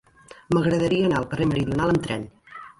M'agradaria anar al carrer Meridional amb tren.